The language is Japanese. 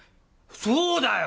そうだよ！